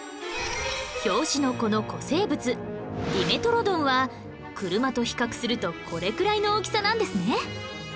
表紙のこの古生物ディメトロドンは車と比較するとこれくらいの大きさなんですね